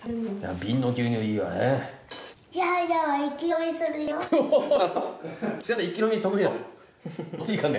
瓶の牛乳いいよね。